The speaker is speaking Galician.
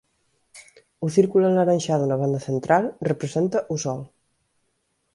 O círculo alaranxado na banda central representa o sol.